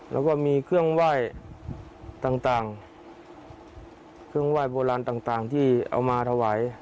แล้วก็มีเครื่องไหว้ต่างเครื่องไหว้โบราณต่างที่เอามาถวาย